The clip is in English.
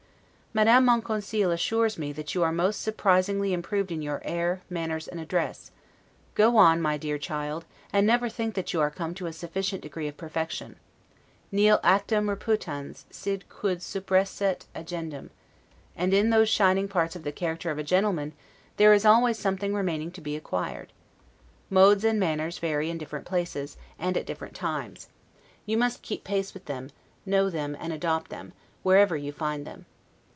Madame Monconseil assures me that you are most surprisingly improved in your air, manners, and address: go on, my dear child, and never think that you are come to a sufficient degree of perfection; 'Nil actum reputans, si quid superesset agendum'; and in those shining parts of the character of a gentleman, there is always something remaining to be acquired. Modes and manners vary in different places, and at different times; you must keep pace with them, know them, and adopt them, wherever you find them.